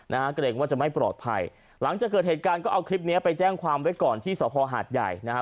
เกรงว่าจะไม่ปลอดภัยหลังจากเกิดเหตุการณ์ก็เอาคลิปเนี้ยไปแจ้งความไว้ก่อนที่สภหาดใหญ่นะฮะ